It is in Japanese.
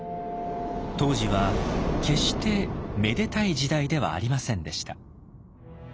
当時は決して「めでたい時代」ではありませんでした。